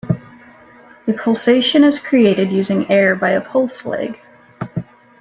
A pulsation is created using air by a pulse leg.